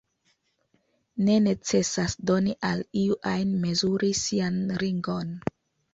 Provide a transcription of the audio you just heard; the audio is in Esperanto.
Ne necesas doni al iu ajn mezuri sian ringon.